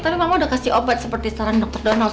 tapi mama udah kasih obat seperti saran dokter donald